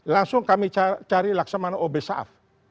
langsung kami cari laksamana o b saaf